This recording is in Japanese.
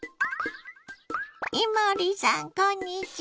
伊守さんこんにちは。